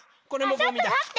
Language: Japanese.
あっちょっとまって。